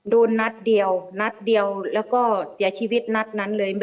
นัดเดียวนัดเดียวแล้วก็เสียชีวิตนัดนั้นเลย